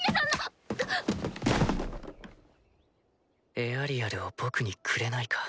エアリアルを僕にくれないか？